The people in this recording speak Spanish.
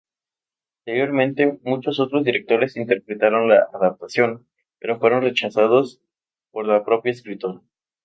Anteriormente, muchos otros directores intentaron la adaptación, pero fueron rechazados por la propia escritora.